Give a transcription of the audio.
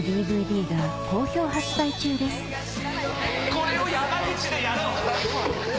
これを山口でやろう！